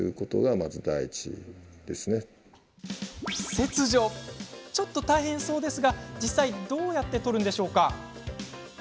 切除ちょっと大変そうですが実際どうやって取るんでしょうか。